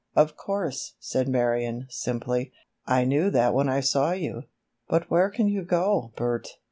"Of course," said Marion, simply, "I knew that when I saw you, but where can you go, Bert?